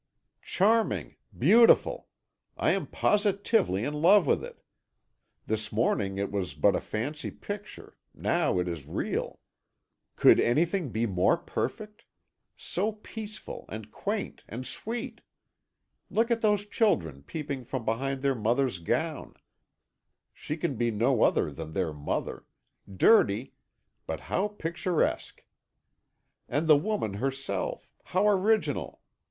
"Charming! beautiful! I am positively in love with it. This morning it was but a fancy picture, now it is real. Could anything be more perfect? So peaceful, and quaint, and sweet! Look at those children peeping from behind their mother's gown she can be no other than their mother dirty, but how picturesque! and the woman herself, how original!